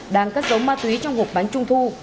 đang cắt giống ma túy trong hộp bánh trung thu